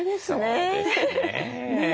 そうですね。